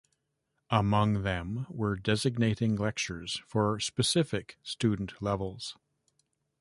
Among them were designating lectures for specific student levels.